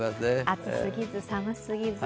暑すぎず、寒すぎず。